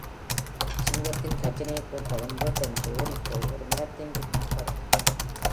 சிங்கத்தின் கர்ஜனையைக் கேட்டதும் வேட்டை நாய் ஓடிப்போய் ஒரு மரத்தின் பின்னல் பதுங்கிக் கொண்டது.